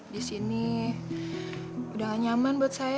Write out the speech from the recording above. di sini enggak nyaman separuh saya